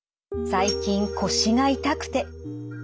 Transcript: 最近腰が痛くて。